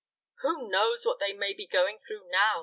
"Who knows what they may be going through now!"